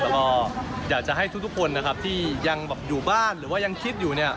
แล้วก็อยากจะให้ทุกคนนะครับที่ยังแบบอยู่บ้านหรือว่ายังคิดอยู่เนี่ย